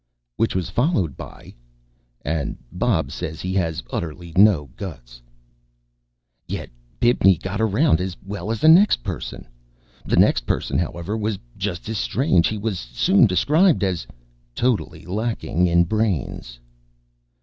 _ Which was followed by: ... and Bob says he has utterly no guts. Yet Bibney got around as well as the next person. The next person, however, was just as strange. He was soon described as: _... totally lacking in brains.